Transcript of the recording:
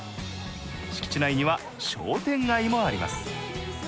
敷地内には商店街もあります。